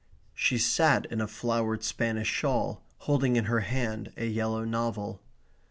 She sat in a flowered Spanish shawl, holding in her hand a yellow novel.